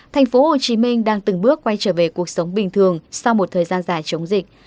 tp hcm đang từng bước quay trở về cuộc sống bình thường sau một thời gian dài chống dịch